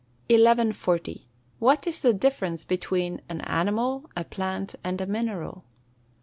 1140. _What is the difference between an animal, a plant, and a mineral?